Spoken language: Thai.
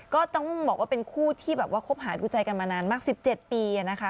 ก็ต้องบอกว่าเป็นคู่ที่แบบว่าคบหาดูใจกันมานานมาก๑๗ปีนะคะ